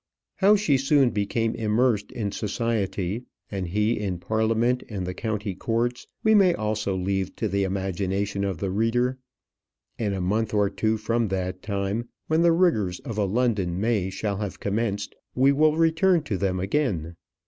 How she soon became immersed in society, and he in Parliament and the County Courts, we may also leave to the imagination of the reader. In a month or two from that time, when the rigours of a London May shall have commenced, we will return to them again.